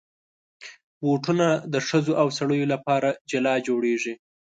بوټونه د ښځو او سړیو لپاره جلا جوړېږي.